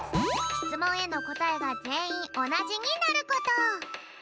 しつもんへのこたえがぜんいんおなじになること。